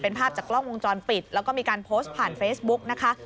เป็นภาพจากกล้องวงจรปิดแล้วก็มีการโพสต์ผ่านเฟซบุ๊กนะคะ